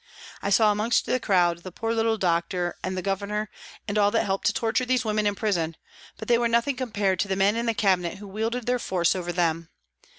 I saw amongst the crowd the poor little doctor and the Governor, and all that helped to torture these women in prison, but they were nothing compared to the men in the Cabinet who wielded their force over them.